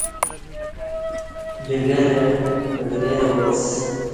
ڈگہ رہ بڈگہ رہ واس